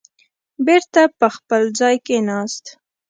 بېرته په خپل ځای کېناست.